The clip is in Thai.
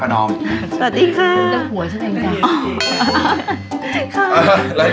แน็ตหัวฉันก็